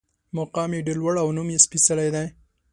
مقام یې ډېر لوړ او نوم یې سپېڅلی دی.